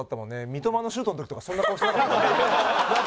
三笘のシュートの時とかそんな顔してなかった。